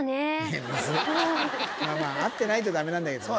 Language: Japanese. まあ合ってないとダメなんだけどね